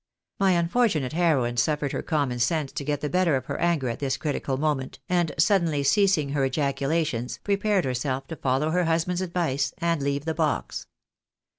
My unfortunate heroine suffered her common sense to get the better of her anger at this critical moment, and suddenly ceasing her ejaculations, prepared herself to follow her husband's advice, and leave the box.